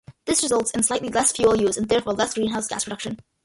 This results in slightly less fuel use and therefore less greenhouse gas production.